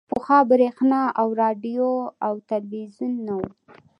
پخوا برېښنا او راډیو او ټلویزیون نه وو